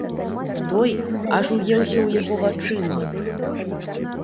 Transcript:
Той аж уеўся ў яго вачыма.